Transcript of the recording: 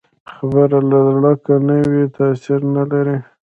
خبره له زړه که نه وي، تاثیر نه لري